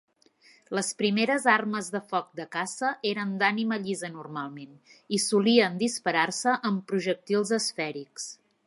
Les primeres armes de foc de caça eren d'ànima llisa normalment, i solien disparar-se amb projectils esfèrics.